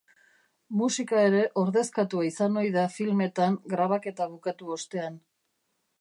Musika ere ordezkatua izan ohi da filmetan grabaketa bukatu ostean.